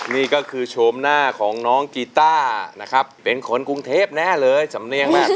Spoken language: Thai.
นี่ก็คือโฉมหน้าของน้องกีต้านะครับเป็นคนกรุงเทพแน่เลยสำเนียงมาก